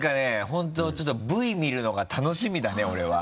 本当ちょっとＶ見るのが楽しみだね俺は。